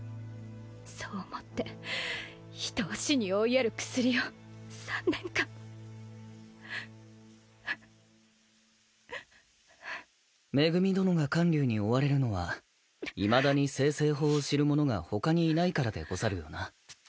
そう思って人を死に追いやる薬を３年間も。恵殿が観柳に追われるのはいまだに精製法を知る者が他にいないからでござるよな。